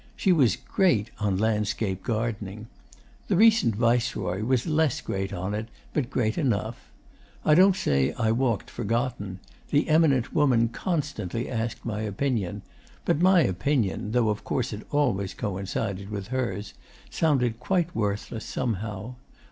She was great on landscape gardening. The recent Viceroy was less great on it, but great enough. I don't say I walked forgotten: the eminent woman constantly asked my opinion; but my opinion, though of course it always coincided with hers, sounded quite worthless, somehow.